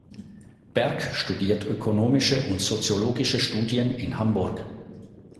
Berk studiert ökonomische und soziologische Studien in Hamburg.